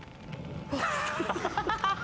「ハハハハ！